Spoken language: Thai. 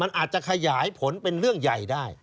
มันอาจจะขยายผลเป็นเรื่องใหญ่ได้